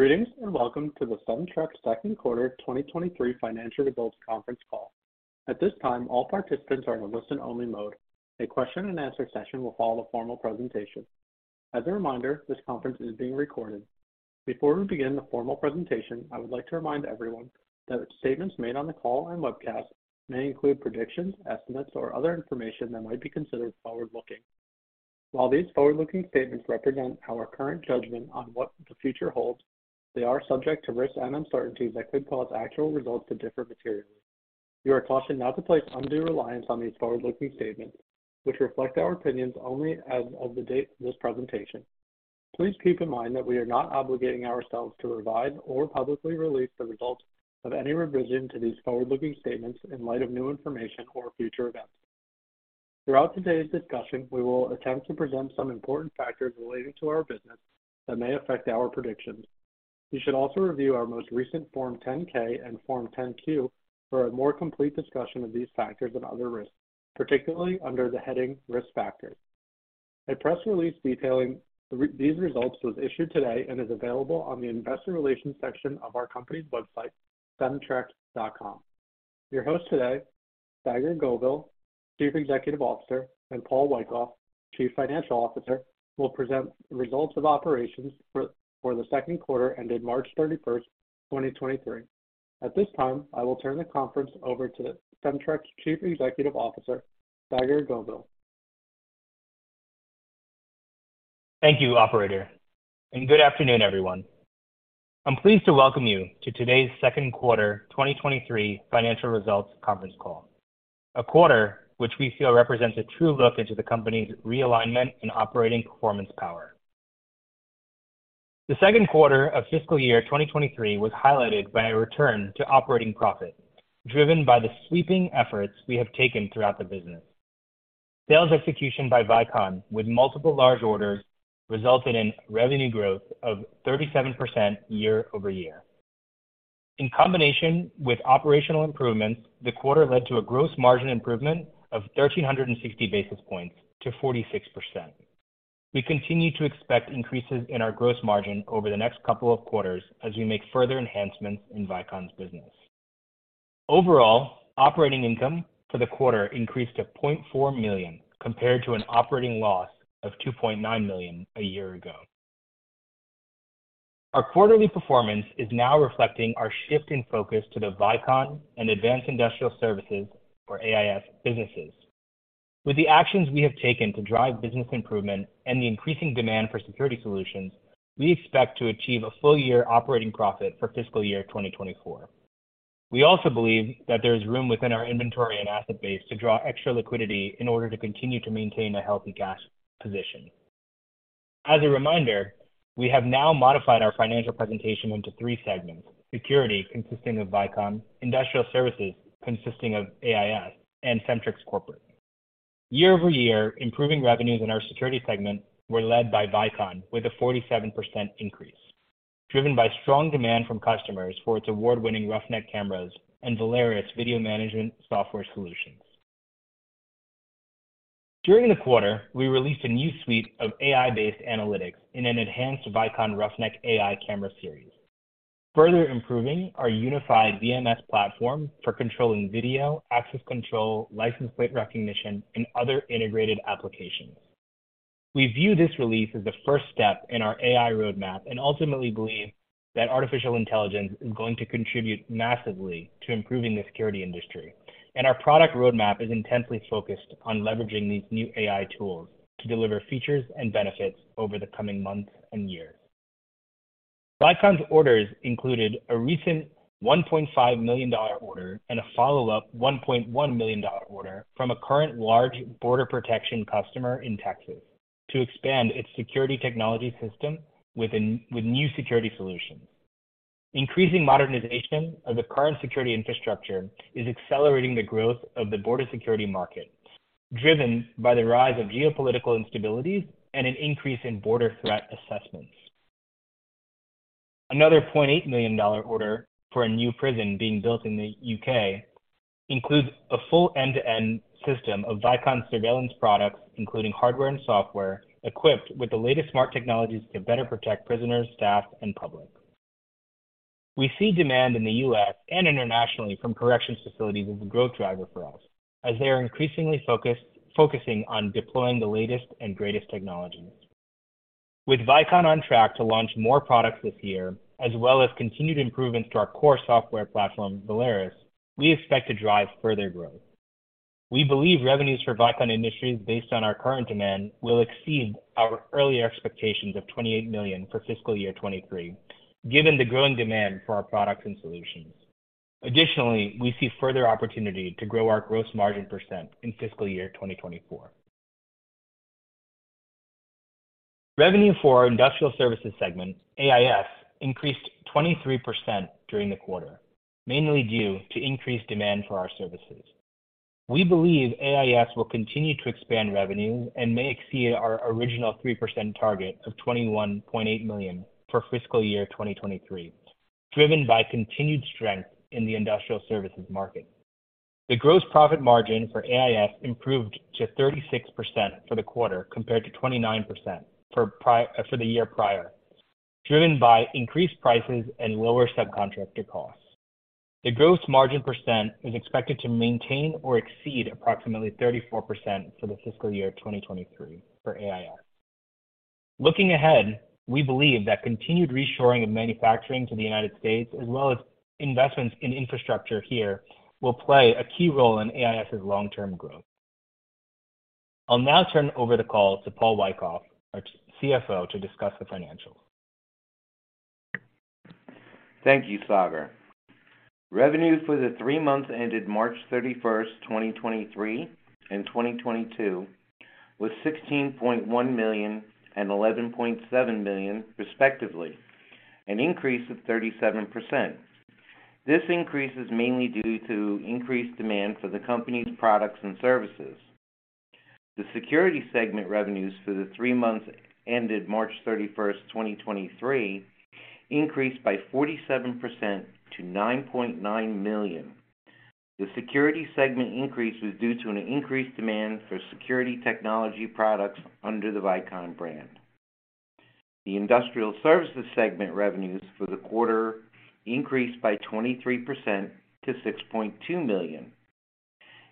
Greetings, and welcome to the Cemtrex second quarter 2023 financial results conference call. At this time, all participants are in a listen only mode. A question and answer session will follow the formal presentation. As a reminder, this conference is being recorded. Before we begin the formal presentation, I would like to remind everyone that statements made on the call and webcast may include predictions, estimates, or other information that might be considered forward-looking. While these forward-looking statements represent our current judgment on what the future holds, they are subject to risks and uncertainties that could cause actual results to differ materially. You are cautioned not to place undue reliance on these forward-looking statements, which reflect our opinions only as of the date of this presentation. Please keep in mind that we are not obligating ourselves to revise or publicly release the results of any revision to these forward-looking statements in light of new information or future events. Throughout today's discussion, we will attempt to present some important factors relating to our business that may affect our predictions. You should also review our most recent Form 10-K and Form 10-Q for a more complete discussion of these factors and other risks, particularly under the heading Risk Factors. A press release detailing these results was issued today and is available on the investor relations section of our company's website, cemtrex.com. Your host today, Saagar Govil, Chief Executive Officer, and Paul Wyckoff, Chief Financial Officer, will present results of operations for the second quarter ended March 31st, 2023. At this time, I will turn the conference over to Cemtrex Chief Executive Officer, Saagar Govil. Thank you, operator, and good afternoon, everyone. I'm pleased to welcome you to today's second quarter 2023 financial results conference call. A quarter which we feel represents a true look into the company's realignment and operating performance power. The second quarter of fiscal year 2023 was highlighted by a return to operating profit, driven by the sweeping efforts we have taken throughout the business. Sales execution by Vicon with multiple large orders resulted in revenue growth of 37% year-over-year. In combination with operational improvements, the quarter led to a gross margin improvement of 1,360 basis points to 46%. We continue to expect increases in our gross margin over the next couple of quarters as we make further enhancements in Vicon's business. Overall, operating income for the quarter increased to $0.4 million, compared to an operating loss of $2.9 million a year ago. Our quarterly performance is now reflecting our shift in focus to the Vicon and Advanced Industrial Services, or AIS, businesses. With the actions we have taken to drive business improvement and the increasing demand for security solutions, we expect to achieve a full year operating profit for fiscal year 2024. We also believe that there is room within our inventory and asset base to draw extra liquidity in order to continue to maintain a healthy cash position. As a reminder, we have now modified our financial presentation into three segments: Security, consisting of Vicon, Industrial Services, consisting of AIS, and Cemtrex Corporate. Year-over-year, improving revenues in our security segment were led by Vicon with a 47% increase, driven by strong demand from customers for its award-winning Roughneck cameras and Valerus video management software solutions. During the quarter, we released a new suite of AI-based analytics in an enhanced Vicon Roughneck AI camera series, further improving our unified VMS platform for controlling video, access control, license plate recognition, and other integrated applications. We view this release as the first step in our AI roadmap and ultimately believe that artificial intelligence is going to contribute massively to improving the security industry, and our product roadmap is intensely focused on leveraging these new AI tools to deliver features and benefits over the coming months and years. Vicon's orders included a recent $1.5 million order and a follow-up $1.1 million order from a current large border protection customer in Texas to expand its security technology system with new security solutions. Increasing modernization of the current security infrastructure is accelerating the growth of the border security market, driven by the rise of geopolitical instability and an increase in border threat assessments. Another $0.8 million order for a new prison being built in the U.K. includes a full end-to-end system of Vicon surveillance products, including hardware and software, equipped with the latest smart technologies to better protect prisoners, staff, and public. We see demand in the U.S. and internationally from corrections facilities as a growth driver for us, as they are increasingly focusing on deploying the latest and greatest technologies. With Vicon on track to launch more products this year, as well as continued improvements to our core software platform, Valerus, we expect to drive further growth. We believe revenues for Vicon Industries based on our current demand will exceed our earlier expectations of $28 million for fiscal year 2023, given the growing demand for our products and solutions. Additionally, we see further opportunity to grow our gross margin percent in fiscal year 2024. Revenue for our industrial services segment, AIS, increased 23% during the quarter, mainly due to increased demand for our services. We believe AIS will continue to expand revenues and may exceed our original 3% target of $21.8 million for fiscal year 2023, driven by continued strength in the industrial services market. The gross profit margin for AIS improved to 36% for the quarter compared to 29% for the year prior, driven by increased prices and lower subcontractor costs. The gross margin percent is expected to maintain or exceed approximately 34% for the fiscal year 2023 for AIS. Looking ahead, we believe that continued reshoring of manufacturing to the United States as well as investments in infrastructure here will play a key role in AIS's long-term growth. I'll now turn over the call to Paul Wyckoff, our CFO, to discuss the financials. Thank you, Saagar. Revenue for the three months ended March 31st, 2023 and 2022 was $16.1 million and $11.7 million respectively, an increase of 37%. This increase is mainly due to increased demand for the company's products and services. The security segment revenues for the three months ended March 31st, 2023 increased by 47% to $9.9 million. The security segment increase was due to an increased demand for security technology products under the Vicon brand. The industrial services segment revenues for the quarter increased by 23% to $6.2 million,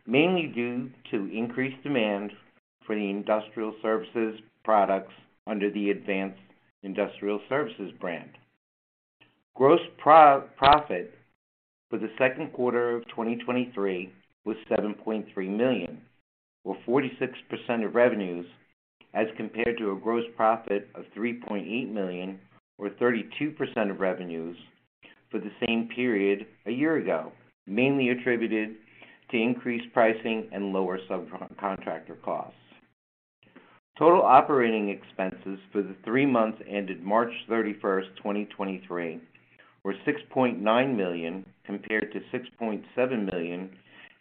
mainly due to increased demand for the industrial services products under the Advanced Industrial Services brand. Gross profit for the second quarter of 2023 was $7.3 million, or 46% of revenues, as compared to a gross profit of $3.8 million or 32% of revenues for the same period a year ago, mainly attributed to increased pricing and lower subcontractor costs. Total operating expenses for the three months ended March 31st, 2023 were $6.9 million, compared to $6.7 million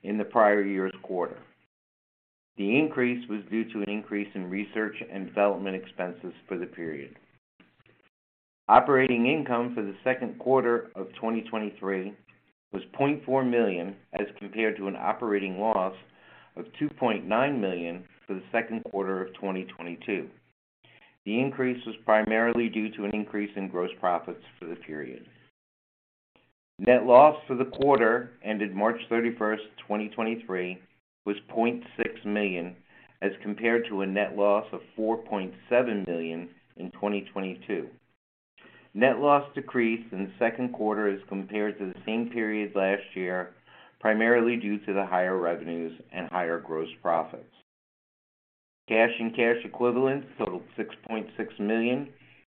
in the prior year's quarter. The increase was due to an increase in research and development expenses for the period. Operating income for the second quarter of 2023 was $0.4 million, as compared to an operating loss of $2.9 million for the second quarter of 2022. The increase was primarily due to an increase in gross profits for the period. Net loss for the quarter ended March 31, 2023, was $0.6 million, as compared to a net loss of $4.7 million in 2022. Net loss decreased in the second quarter as compared to the same period last year, primarily due to the higher revenues and higher gross profits. Cash and cash equivalents totaled $6.6 million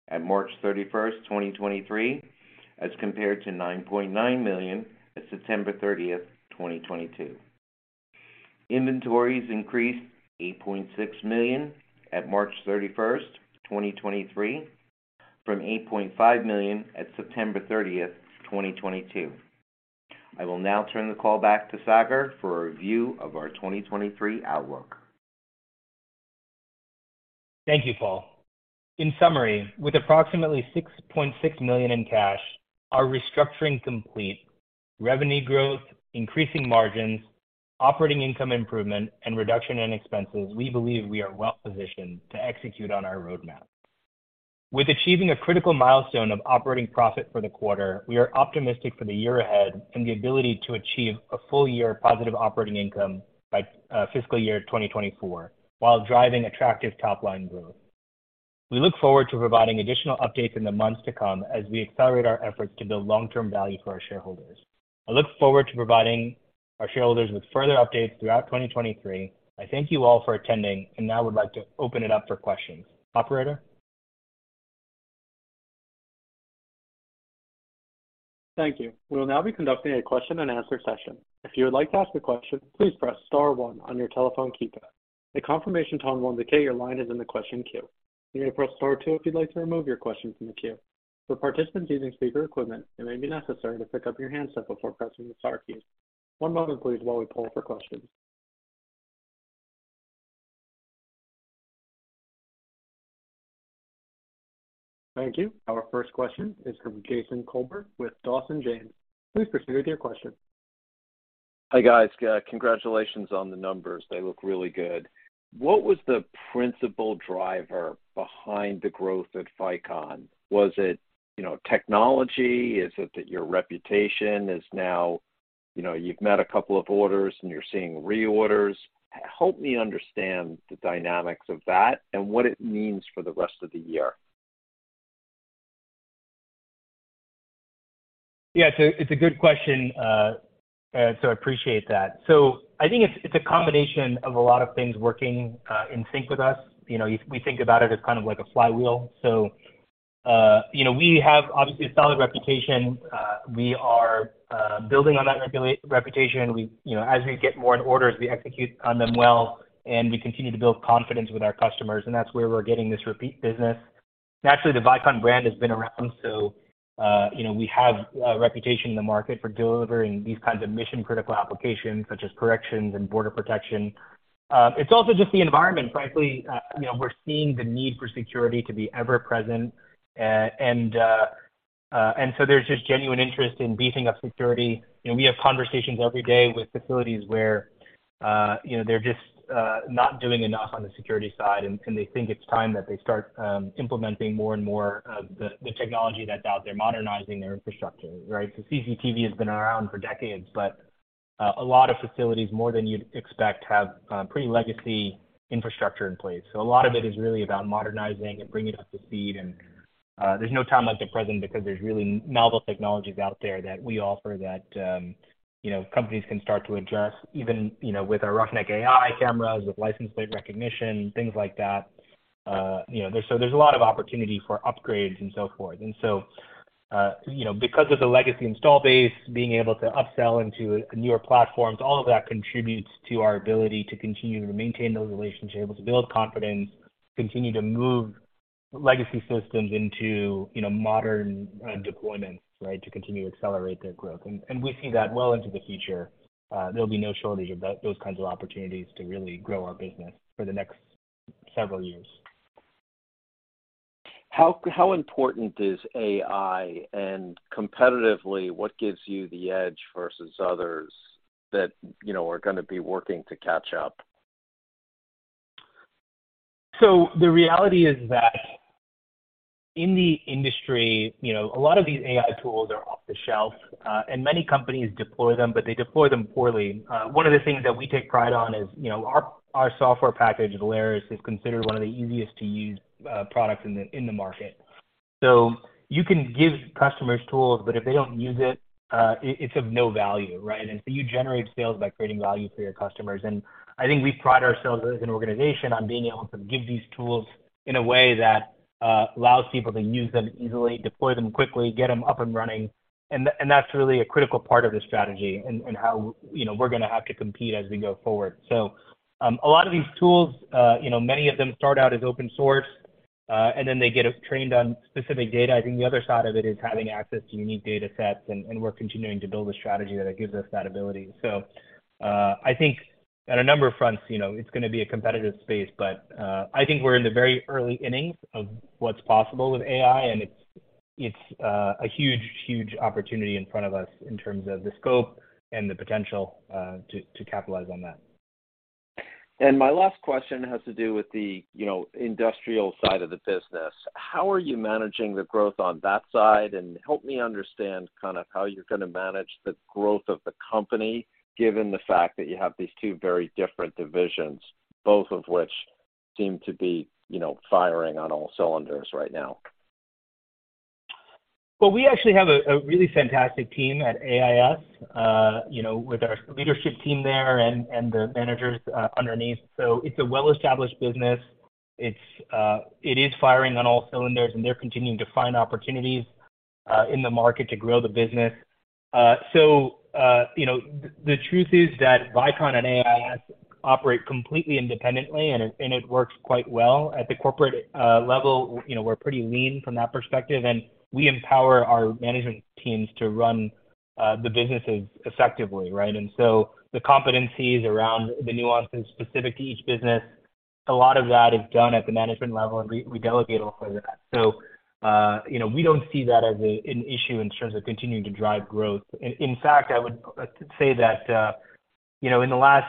at March 31, 2023, as compared to $9.9 million at September 30, 2022. Inventories increased $8.6 million at March 31st, 2023, from $8.5 million at September 30th, 2022. I will now turn the call back to Saagar for a review of our 2023 outlook. Thank you, Paul. In summary, with approximately $6.6 million in cash, our restructuring complete, revenue growth, increasing margins, operating income improvement, and reduction in expenses, we believe we are well positioned to execute on our roadmap. With achieving a critical milestone of operating profit for the quarter, we are optimistic for the year ahead and the ability to achieve a full year positive operating income by fiscal year 2024 while driving attractive top-line growth. We look forward to providing additional updates in the months to come as we accelerate our efforts to build long-term value for our shareholders. I look forward to providing our shareholders with further updates throughout 2023. I thank you all for attending and now would like to open it up for questions. Operator? Thank you. We will now be conducting a question and answer session. If you would like to ask a question, please press star one on your telephone keypad. A confirmation tone will indicate your line is in the question queue. You may press star two if you'd like to remove your question from the queue. For participants using speaker equipment, it may be necessary to pick up your handset before pressing the star key. One moment please while we poll for questions. Thank you. Our first question is from Jason Kolbert with Dawson James. Please proceed with your question. Hi, guys. Congratulations on the numbers. They look really good. What was the principal driver behind the growth at Vicon? Was it, you know, technology? Is it that your reputation is now, you know, you've met a couple of orders and you're seeing reorders? Help me understand the dynamics of that and what it means for the rest of the year. Yeah, it's a good question, so I appreciate that. I think it's a combination of a lot of things working in sync with us. You know, if we think about it as kind of like a flywheel. You know, we have obviously a solid reputation. We are building on that reputation. We, you know, as we get more orders, we execute on them well, and we continue to build confidence with our customers, and that's where we're getting this repeat business. Naturally, the Vicon brand has been around, so you know, we have a reputation in the market for delivering these kinds of mission-critical applications such as corrections and border protection. It's also just the environment, frankly. You know, we're seeing the need for security to be ever present, there's just genuine interest in beefing up security. You know, we have conversations every day with facilities where, you know, they're just not doing enough on the security side, and they think it's time that they start implementing more and more of the technology that's out there, modernizing their infrastructure, right? CCTV has been around for decades, a lot of facilities, more than you'd expect, have pretty legacy infrastructure in place. A lot of it is really about modernizing and bringing up to speed. There's no time like the present because there's really novel technologies out there that we offer that, you know, companies can start to adjust even, you know, with our Roughneck AI cameras, with license plate recognition, things like that. You know, there's a lot of opportunity for upgrades and so forth. You know, because of the legacy install base, being able to upsell into newer platforms, all of that contributes to our ability to continue to maintain those relationships, to build confidence, continue to move legacy systems into, you know, modern, deployments, right? To continue to accelerate their growth. We see that well into the future. There'll be no shortage of those kinds of opportunities to really grow our business for the next several years. How important is AI? Competitively, what gives you the edge versus others that you know are gonna be working to catch up? The reality is that in the industry, you know, a lot of these AI tools are off the shelf, and many companies deploy them, but they deploy them poorly. One of the things that we take pride on is, you know, our software package, Valerus, is considered one of the easiest to use, products in the, in the market. You can give customers tools, but if they don't use it's of no value, right? You generate sales by creating value for your customers. I think we pride ourselves as an organization on being able to give these tools in a way that allows people to use them easily, deploy them quickly, get them up and running, and that's really a critical part of the strategy and how, you know, we're gonna have to compete as we go forward. A lot of these tools, you know, many of them start out as open source, and then they get trained on specific data. I think the other side of it is having access to unique datasets, and we're continuing to build a strategy that gives us that ability. I think on a number of fronts, you know, it's gonna be a competitive space, but I think we're in the very early innings of what's possible with AI, and it's a huge, huge opportunity in front of us in terms of the scope and the potential to capitalize on that. My last question has to do with the, you know, industrial side of the business. How are you managing the growth on that side? Help me understand kind of how you're gonna manage the growth of the company, given the fact that you have these two very different divisions, both of which seem to be, you know, firing on all cylinders right now. Well, we actually have a really fantastic team at AIS, you know, with our leadership team there and the managers underneath. It's a well-established business. It's firing on all cylinders, and they're continuing to find opportunities in the market to grow the business. You know, the truth is that Vicon and AIS operate completely independently, and it works quite well. At the corporate level, you know, we're pretty lean from that perspective, and we empower our management teams to run the businesses effectively, right? The competencies around the nuances specific to each business, a lot of that is done at the management level, and we delegate a lot of that. You know, we don't see that as an issue in terms of continuing to drive growth. In fact, I would say that, you know, in the last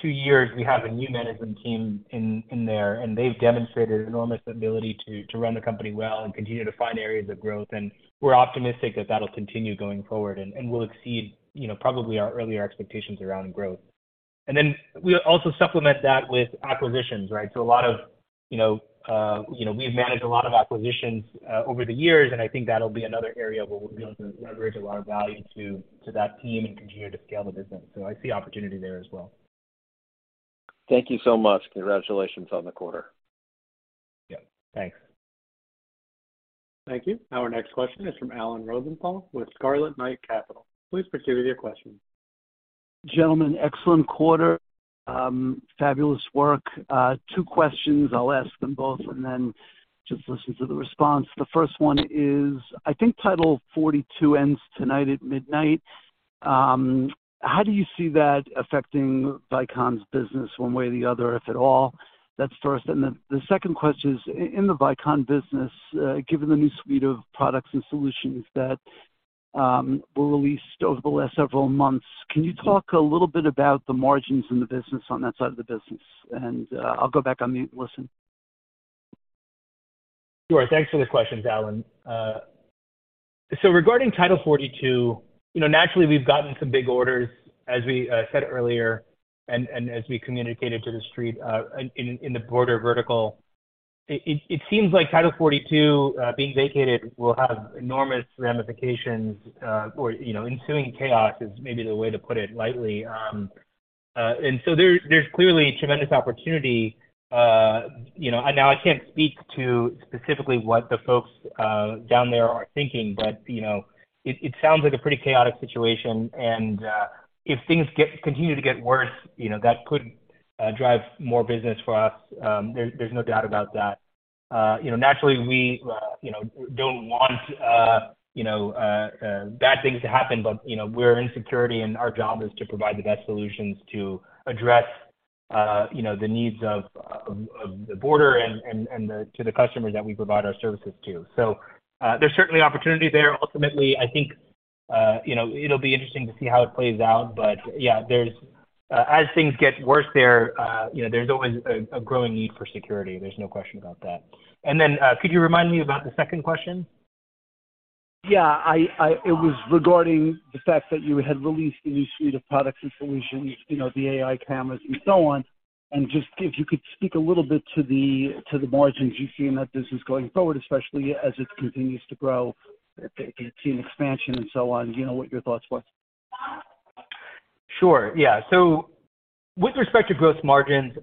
two years, we have a new management team in there. They've demonstrated enormous ability to run the company well and continue to find areas of growth. We're optimistic that that'll continue going forward and we'll exceed, you know, probably our earlier expectations around growth. We also supplement that with acquisitions, right? A lot of, you know, we've managed a lot of acquisitions over the years, and I think that'll be another area where we'll be able to leverage a lot of value to that team and continue to scale the business. I see opportunity there as well. Thank you so much. Congratulations on the quarter. Yeah. Thanks. Thank you. Our next question is from Alan Rosenthal with Scarlet Knight Capital. Please proceed with your question. Gentlemen, excellent quarter. fabulous work. two questions. I'll ask them both and then just listen to the response. The first one is, I think Title 42 ends tonight at midnight. how do you see that affecting Vicon's business one way or the other, if at all? That's first. The second question is in the Vicon business, given the new suite of products and solutions that were released over the last several months, can you talk a little bit about the margins in the business on that side of the business? I'll go back on mute and listen. Sure. Thanks for the questions, Alan. Regarding Title 42, you know, naturally we've gotten some big orders, as we said earlier and as we communicated to the street, in the border vertical. It seems like Title 42 being vacated will have enormous ramifications, or you know, ensuing chaos is maybe the way to put it lightly. There's clearly tremendous opportunity. You know, now I can't speak to specifically what the folks down there are thinking, but, you know, it sounds like a pretty chaotic situation and if things continue to get worse, you know, that could drive more business for us. There's no doubt about that. You know, naturally we, you know, don't want bad things to happen, but, you know, we're in security and our job is to provide the best solutions to address the needs of the border and to the customer that we provide our services to. There's certainly opportunity there. Ultimately, I think, you know, it'll be interesting to see how it plays out. But yeah, as things get worse there, you know, there's always a growing need for security. There's no question about that. Then, could you remind me about the second question? Yeah. It was regarding the fact that you had released a new suite of products and solutions, you know, the AI cameras and so on. Just if you could speak a little bit to the, to the margins you're seeing that this is going forward, especially as it continues to grow, continue expansion and so on. Do you know what your thoughts was? Sure, yeah. With respect to growth margins,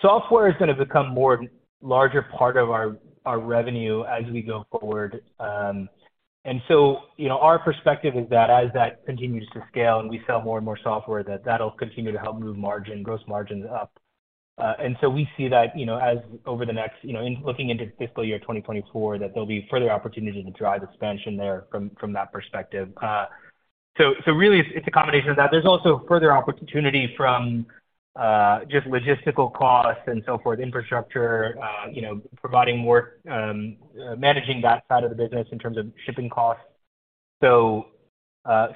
software is gonna become more larger part of our revenue as we go forward. You know, our perspective is that as that continues to scale and we sell more and more software, that that'll continue to help move margin, gross margins up. We see that, you know, as over the next, you know, in looking into fiscal year 2024, that there'll be further opportunity to drive expansion there from that perspective. So really it's a combination of that. There's also further opportunity from, just logistical costs and so forth, infrastructure, you know, providing more, managing that side of the business in terms of shipping costs. So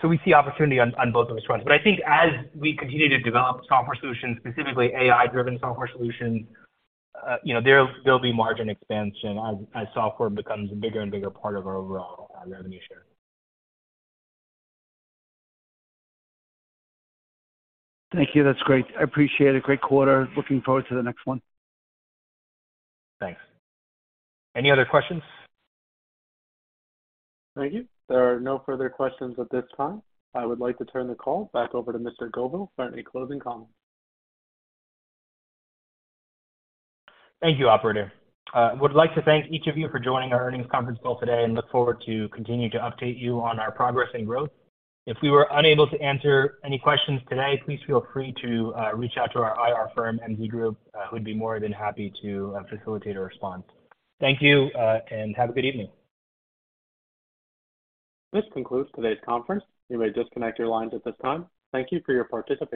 we see opportunity on both those fronts. I think as we continue to develop software solutions, specifically AI-driven software solutions, you know, there'll be margin expansion as software becomes a bigger and bigger part of our overall revenue share. Thank you. That's great. I appreciate it. Great quarter. Looking forward to the next one. Thanks. Any other questions? Thank you. There are no further questions at this time. I would like to turn the call back over to Mr. Govil for any closing comments. Thank you, operator. Would like to thank each of you for joining our earnings conference call today and look forward to continue to update you on our progress and growth. If we were unable to answer any questions today, please feel free to reach out to our IR firm, MZ Group, who'd be more than happy to facilitate a response. Thank you. Have a good evening. This concludes today's conference. You may disconnect your lines at this time. Thank you for your participation.